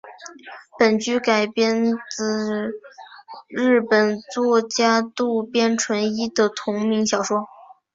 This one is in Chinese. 本剧改编自日本作家渡边淳一的同名小说。